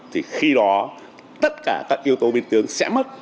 thì khi đó tất cả các yếu tố biến tướng sẽ mất